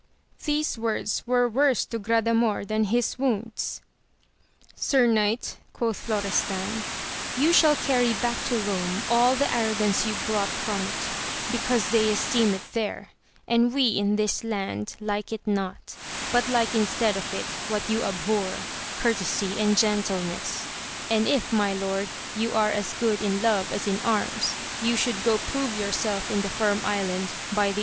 These words were worse to Gradamor than his wounds. Sir knight, quoth Florestan, you shall carry back to Rome all the arrogance you brought from it, because they esteem it there, and we in this land like it not, but like instead of it what you abhor, courtesy and gentleness ; and if my lord, you are as good in love as in arms, you should go prove yourself in the Firm Island by the 10 AMADIS OF GAUL.